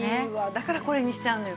だからこれにしちゃうのよ。